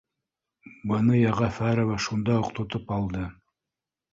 Быны Йәғәфәрова шунда уҡ то топ алды